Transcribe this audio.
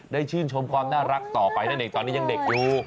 ชื่นชมความน่ารักต่อไปนั่นเองตอนนี้ยังเด็กอยู่